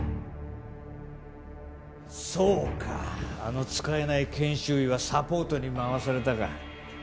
そうかあの使えない研修医はサポートにまわされたか